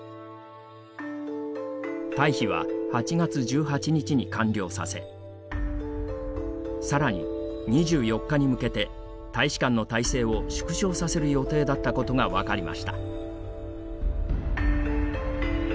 退避は、８月１８日に完了させさらに、２４日に向けて大使館の態勢を縮小させる予定だったことが分かりました。